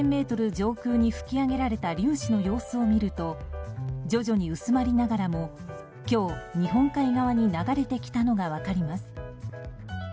上空に吹き上げられた粒子の様子を見ると徐々に薄まりながらも今日、日本海側に流れてきたのが分かります。